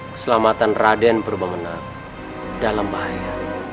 keselamatan raden purbangunan dalam bahaya